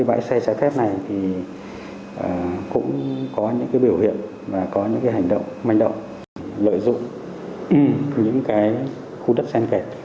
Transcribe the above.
bãi xe này có những biểu hiện và có những hành động manh động lợi dụng những khu đất sen kèm